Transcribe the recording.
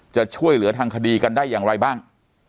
จะช่วยเหลือทางคดีกันได้อย่างไรบ้าง